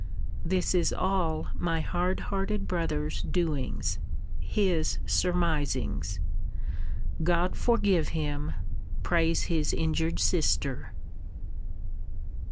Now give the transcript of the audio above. This is all my hard hearted brother's doings! His surmisings: God forgive him prays his injured sister!